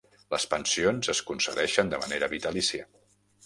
Les pensions es concedeixen de manera vitalícia.